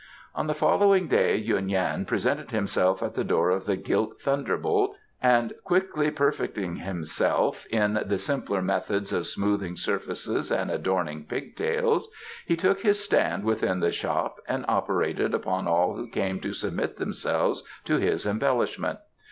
On the following day Yuen Yan presented himself at the door of the Gilt Thunderbolt, and quickly perfecting himself in the simpler methods of smoothing surfaces and adorning pig tails he took his stand within the shop and operated upon all who came to submit themselves to his embellishment.